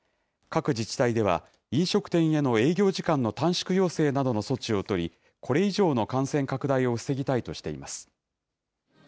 各自治体では、飲食店への営業時間の短縮要請などの措置を取り、これ以上の感染拡大を防ぎたいとしています。